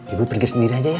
ibu pergi sendiri aja ya